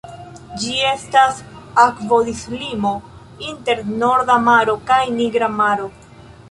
Ĝi estas akvodislimo inter Norda Maro kaj Nigra Maro.